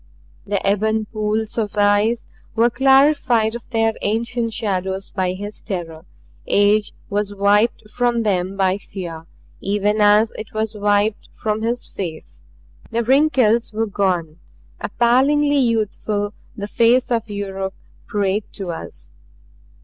The ebon pools of eyes were clarified of their ancient shadows by his terror; age was wiped from them by fear, even as it was wiped from his face. The wrinkles were gone. Appallingly youthful, the face of Yuruk prayed to us.